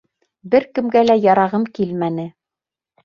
Бер кемгә лә ярағым килмәне: